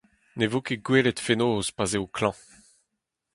Ne vo ket gwelet fenoz, pa'z eo klañv.